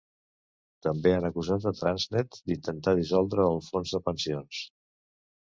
També han acusat a Transnet d'intentar dissoldre el fons de pensions.